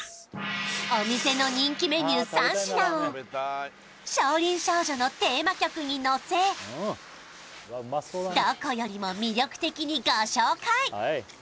お店の人気メニュー３品を「少林少女」のテーマ曲にのせどこよりも魅力的にご紹介